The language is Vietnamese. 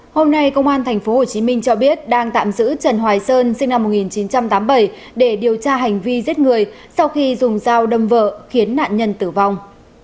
hôm nay công an thành phố hồ chí minh cho biết đang tạm giữ trần hoài sơn sinh năm một nghìn chín trăm tám mươi bảy để điều tra hành vi giết người sau khi dùng dao đâm vợ khiến nạn nhân tử vong